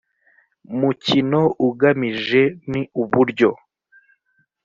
mukino ugamije n uburyo